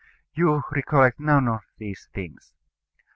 You recollect none of these things.